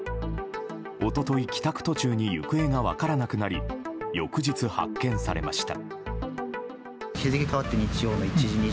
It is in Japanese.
一昨日、帰宅途中に行方が分からなくなり翌日、発見されました。